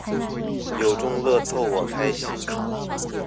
有中樂透我開心